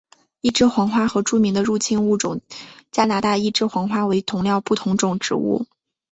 一枝黄花和著名的入侵物种加拿大一枝黄花为同科不同种植物。